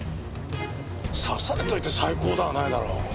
刺されといて「最高だ」はないだろう。